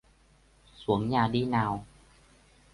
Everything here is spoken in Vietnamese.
Xuống nhà đi nào